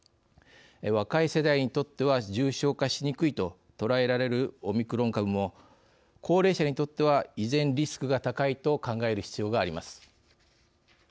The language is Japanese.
若い世代にとっては重症化しにくいと捉えられるオミクロン株も高齢者にとっては依然リスクが高いと考える必要があります。